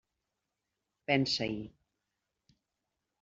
Pensa-hi!